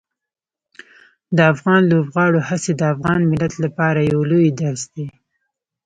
د افغان لوبغاړو هڅې د افغان ملت لپاره یو لوی درس دي.